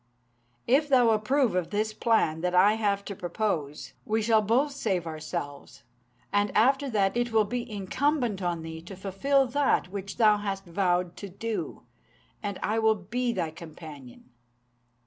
If thou approve of this plan that I have to propose, we shall both save ourselves; and after that, it will be incumbent on thee to fulfil that which thou hast vowed to do, and I will be thy companion."